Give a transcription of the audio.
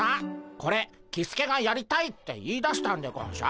これキスケがやりたいって言いだしたんでゴンショ？